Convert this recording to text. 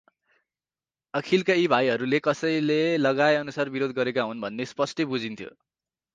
अखिलका यी भाइहरूले कसैले लगाएअनुसार विरोध गरेका हुन् भन्ने स्पष्टै बुझिन्थ्यो ।